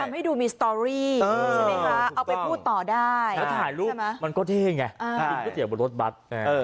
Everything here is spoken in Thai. ให้ดูมีสตอรี่ใช่ไหมคะเอาไปพูดต่อได้แล้วถ่ายรูปมันก็เท่ไงกินก๋วบนรถบัตร